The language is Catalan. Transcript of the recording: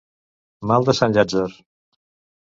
Mal de sant Llàtzer.